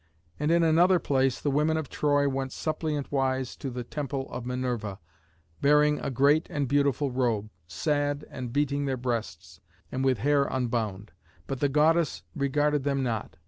And in another place the women of Troy went suppliant wise to the temple of Minerva, bearing a great and beautiful robe, sad and beating their breasts, and with hair unbound; but the goddess regarded them not.